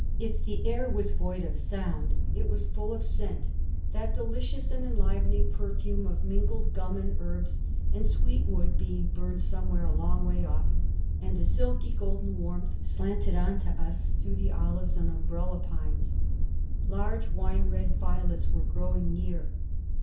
If the air was void of sound, it was full of scent—that delicious and enlivening perfume of mingled gum, and herbs, and sweet wood being burned somewhere a long way off; and a silky, golden warmth slanted on to us through the olives and umbrella pines. Large wine red violets were growing near.